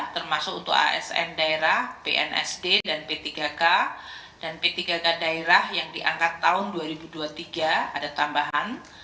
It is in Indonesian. termasuk untuk asn daerah pnsd dan p tiga k dan p tiga k daerah yang diangkat tahun dua ribu dua puluh tiga ada tambahan